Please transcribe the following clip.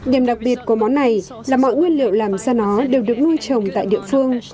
điểm đặc biệt của món này là mọi nguyên liệu làm ra nó đều được nuôi trồng tại địa phương